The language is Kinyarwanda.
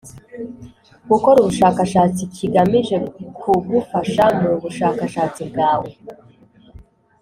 gukora ubushakashatsi kigamije kugufasha mu bushakashatsi bwawe